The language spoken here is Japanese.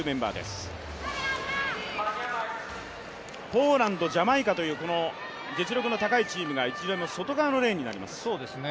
ポーランド、ジャマイカという実力の高いチームが外側のレーンになります。